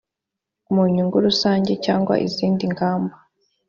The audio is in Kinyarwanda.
mu nyungu rusange cyangwa izindi ngamba